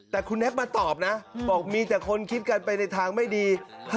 แต่คุณแน็กมาตอบนะบอกมีแต่คนคิดกันไปในทางไม่ดี